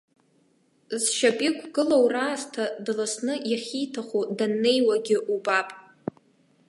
Зшьап иқәгылоу раасҭа дласны иахьиҭаху даннеиуагьы убап.